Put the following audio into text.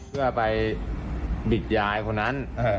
เพื่อไปบิดยายคนนั้น